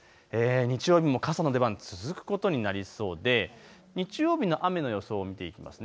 日曜日も傘の出番、続くことになりそうで日曜日の雨の予想を見ていきます。